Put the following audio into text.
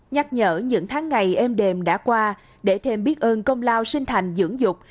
nhắc nhở những tháng ngày êm đềm đã qua để thêm biết ơn công lao sinh thành dưỡng dục